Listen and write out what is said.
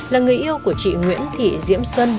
là người yêu của chị nguyễn thị diễm xuân